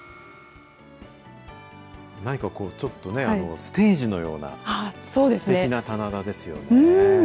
何か、ちょっとこうねステージのようなすてきな棚田ですよね。